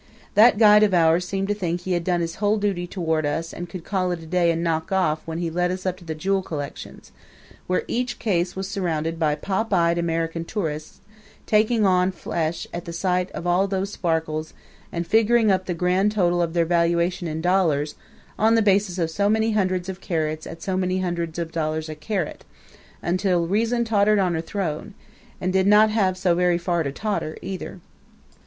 That guide of ours seemed to think he had done his whole duty toward us and could call it a day and knock off when he led us up to the jewel collections, where each case was surrounded by pop eyed American tourists taking on flesh at the sight of all those sparklers and figuring up the grand total of their valuation in dollars, on the basis of so many hundreds of carats at so many hundred dollars a carat, until reason tottered on her throne and did not have so very far to totter, either.